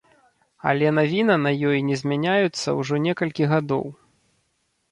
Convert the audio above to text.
Але навіна на ёй не змяняюцца ўжо некалькі гадоў.